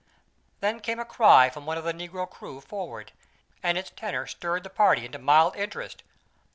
Then came a cry from one of the negro crew forward, and its tenor stirred the party into mild interest.